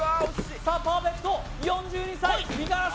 さあパーフェクト４２歳五十嵐圭